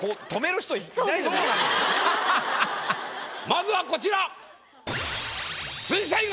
まずはこちら。